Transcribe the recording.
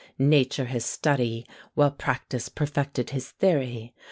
Nature his study, While practice perfected his theory.